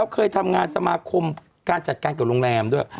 เคยทำงานสมาคมการจัดการกับโรงแรมด้วย